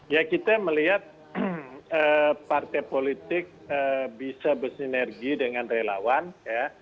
ya kita melihat partai politik bisa bersinergi dengan relawan ya